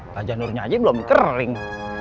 lajanurnya aja belum kering